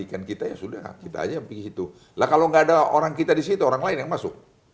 ikan kita ya sudah kita aja begitu lah kalau nggak ada orang kita di situ orang lain yang masuk